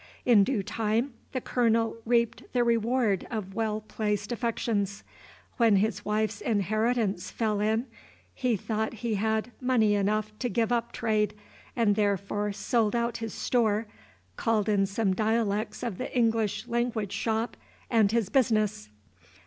In due time the Colonel reaped the reward of well placed affections. When his wife's inheritance fell in, he thought he had money enough to give up trade, and therefore sold out his "store," called in some dialects of the English language shop, and his business.